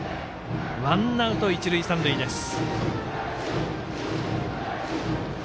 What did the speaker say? ワンアウト、一塁三塁です。